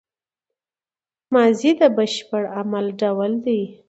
ماضي د بشپړ عمل ډول دئ.